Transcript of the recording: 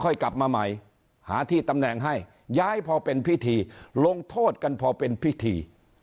กลับมาใหม่หาที่ตำแหน่งให้ย้ายพอเป็นพิธีลงโทษกันพอเป็นพิธี